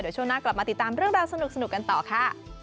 ช่วงหน้ากลับมาติดตามเรื่องราวสนุกกันต่อค่ะ